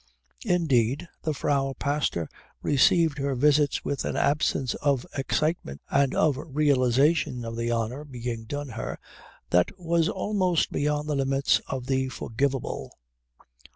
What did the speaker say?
Indeed, the Frau Pastor received her visits with an absence of excitement and of realisation of the honour being done her that was almost beyond the limits of the forgivable.